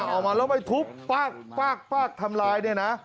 ออกมาแล้วไปทุบปรากทำร้าย